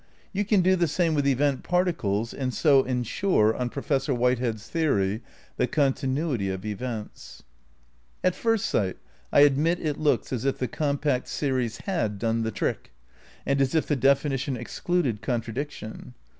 You can do the same with event particles and so ensure, on Professor Whitehead's theory, the continuity of events. At first sight I admit it looks as if the compact series had done the trick, and as if the definition excluded contradiction.